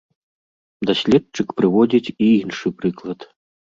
Даследчык прыводзіць і іншы прыклад.